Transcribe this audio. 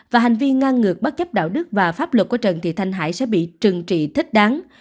và hành vi ngang ngược bất chấp đạo đức và pháp luật của trần thị thanh hải sẽ bị trừng trị thích đáng